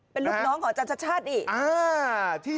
เป็นลูกน้องของอาจารย์ชัชชาติ